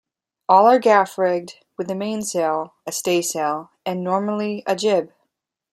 All are gaff-rigged, with a mainsail, a staysail and normally a jib.